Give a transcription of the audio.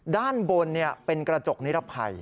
ด้านบนเป็นกระจกนิรภัย